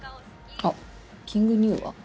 あっキングニューは？